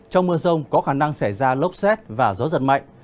trong mưa rông có khả năng xảy ra lốc xét và gió giật mạnh